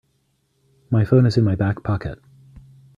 My phone is in my back pocket.